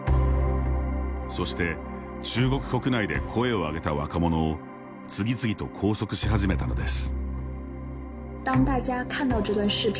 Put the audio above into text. そして、中国国内で声を上げた若者を次々と拘束し始めたのです。